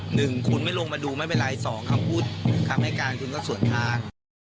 หนึ่งคุณไม่ลงมาดูไม่เป็นไรสองคำพูดคำให้การคุณก็ส่วนทาง